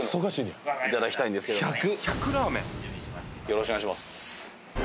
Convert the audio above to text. よろしくお願いします。